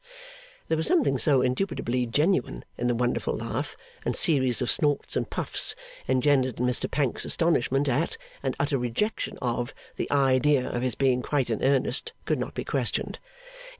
There was something so indubitably genuine in the wonderful laugh, and series of snorts and puffs, engendered in Mr Pancks's astonishment at, and utter rejection of, the idea, that his being quite in earnest could not be questioned.